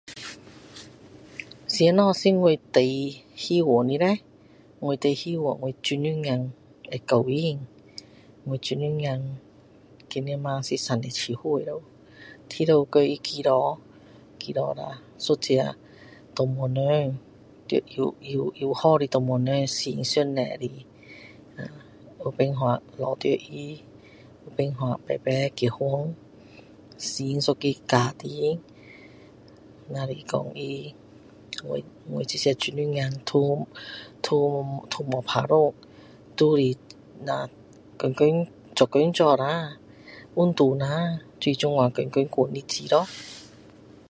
什么是我最希望的叻我最希望我女儿会结婚我女儿今年是37岁了一直为他祷告祷告下一个男孩人要尤优优好的男孩人信上帝的有办法找到他一起结婚成一个家庭只是说他我这个女儿都都没有打算都只是天天做工做下运动下就是这样天天过日子咯